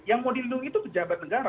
yang mau dilindungi itu pejabat negara